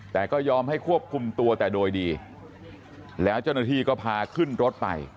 แต่ก็ยอมให้ควบคุมตัวแต่โดยดีแล้วเจ้าหน้าที่ก็พาขึ้นรถไป